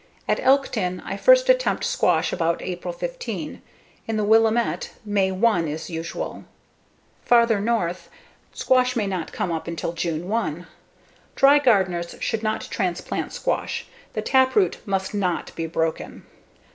At Elkton I first attempt squash about April 15. In the Willamette, May 1 is usual. Farther north, squash may not come up until June 1. Dry gardeners should not transplant squash; the taproot must not be broken.